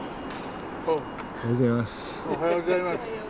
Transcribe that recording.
おはようございます。